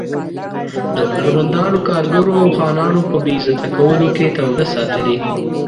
د هنرمندانو، کارګرو او خانانو په بې عزته کولو کې توده ساتلې.